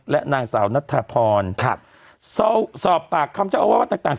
และนางสาวนัทธพรครับสอบปากคำเจ้าอาวาสต่างต่าง